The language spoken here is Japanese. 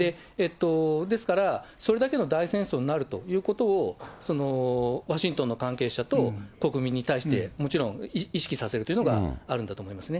ですから、それだけの大戦争になるということを、ワシントンの関係者と国民に対して、もちろん意識させるというのがあるんだと思いますね。